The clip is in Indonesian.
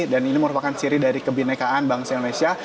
dan ini merupakan ciri dari kebinekaan banksi indonesia